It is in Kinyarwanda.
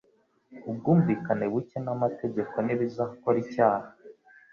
Ubwumvikane buke n'amategeko ntibizakora icyaha